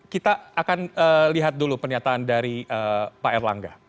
kita akan lihat dulu pernyataan dari pak erlangga